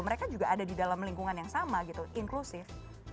mereka juga ada di dalam lingkungan yang sama gitu inklusif